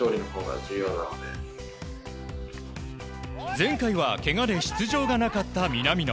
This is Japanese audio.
前回はけがで出場がなかった南野。